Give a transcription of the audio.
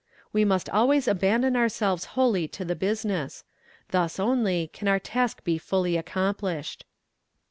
We must always abandon ourselves wholly to the business; thus 4 fF 4 only can our task be fully accomplished.